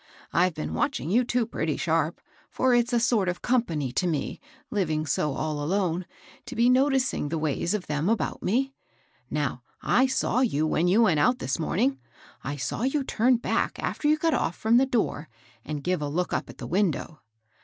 I've been watching you two pretty sharp, for it's a sort of company to me, living so all alone, to be notic ing the ways of them about me. Now I saw yoa THE FIRST FLOOR LODGER. 269 when you went out this morning, — I saw you turn back, after you got off from the door, and give a look up at the window.